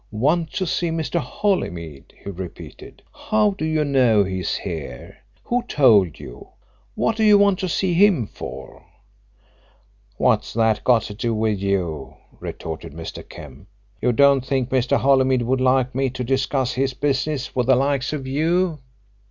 "Want to see Mr. Holymead?" he repeated. "How do you know he's here? Who told you? What do you want to see him for?" "What's that got to do with you?" retorted Mr. Kemp. "You don't think Mr. Holymead would like me to discuss his business with the likes of you?